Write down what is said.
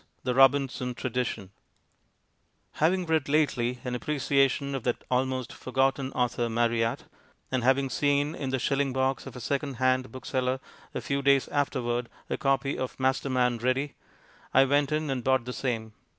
The Robinson Tradition Having read lately an appreciation of that almost forgotten author Marryat, and having seen in the shilling box of a second hand bookseller a few days afterward a copy of Masterman Ready, I went in and bought the same.